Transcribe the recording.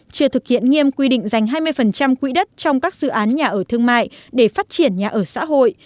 chưa thực hiện nghiêm quy định dành hai mươi quỹ đất trong các dự án nhà ở thương mại để phát triển nhà ở xã hội